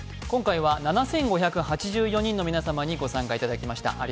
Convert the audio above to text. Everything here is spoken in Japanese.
今回は７５８０人の皆様にご参加いただきました。